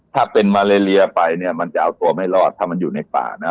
ถ้าเป็นมาเลเลียไปเนี่ยมันจะเอาตัวไม่รอดถ้ามันอยู่ในป่านะ